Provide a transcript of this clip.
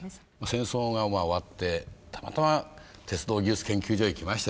戦争が終わってたまたま鉄道技術研究所へ来ましたよね。